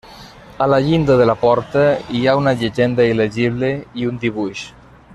A la llinda de la porta hi ha una llegenda il·legible i un dibuix.